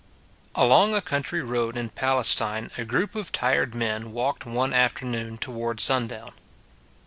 Along a country road in Palestine a group of tired men walked one afternoon toward sundown.